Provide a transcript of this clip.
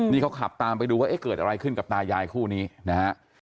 นี่เขาขับตามไปดูว่าเอ๊ะเกิดอะไรขึ้นกับตายายคู่นี้นะฮะ